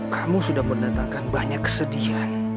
kamu sudah mendatangkan banyak kesedihan